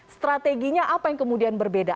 strateginya apa yang kemudian berbeda